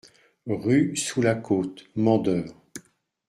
Rue sous la Côte, Mandeure